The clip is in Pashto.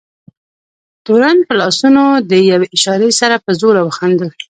تورن په لاسونو د یوې اشارې سره په زوره وخندل.